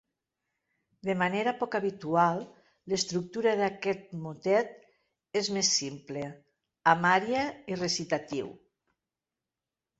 De manera poc habitual, l'estructura d'aquest motet és més simple, amb ària i recitatiu.